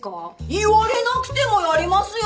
言われなくてもやりますよ！